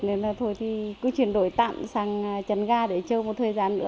nên là thôi thì cứ chuyển đổi tạm sang chăn ga để chơi một thời gian nữa